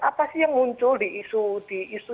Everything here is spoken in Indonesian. apa sih yang muncul di isu